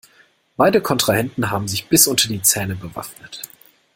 Beide Kontrahenten haben sich bis unter die Zähne bewaffnet.